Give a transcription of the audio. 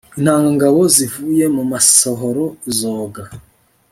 intangangabo zivuye mu masohoro zoga